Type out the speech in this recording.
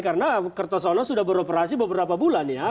karena kertosono sudah beroperasi beberapa bulan ya